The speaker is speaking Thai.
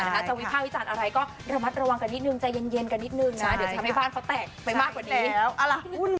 ถ้าจะวิภาควิจารณ์อะไรก็ระมัดระวังกันนิดนึงใจเย็นกันนิดนึงนะเดี๋ยวจะทำให้บ้านเขาแตกไปมากกว่านี้